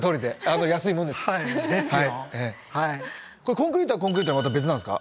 コンクリートはコンクリートでまた別なんですか？